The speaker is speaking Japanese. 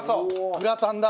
グラタンだ。